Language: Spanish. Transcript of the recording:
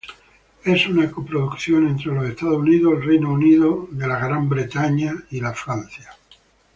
Es una coproducción entre los Estados Unidos, el Reino Unido y Francia.